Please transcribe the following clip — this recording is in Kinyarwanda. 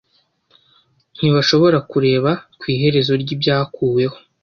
Ntibashobora kureba ku iherezo ry’ibyakuweho